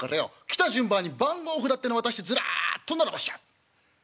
来た順番に番号札っての渡してずらっと並ばしちゃう。